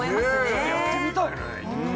ちょっとやってみたいね１回。